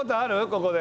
ここで。